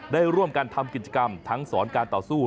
ได้ร่วมกันทำกิจกรรมทั้งสอนการต่อสู้